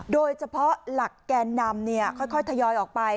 โดยเฉพาะหลักแกนนำค่อยทยอยออกไป